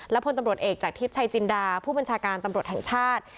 พลตำรวจเอกจากทิพย์ชัยจินดาผู้บัญชาการตำรวจแห่งชาติ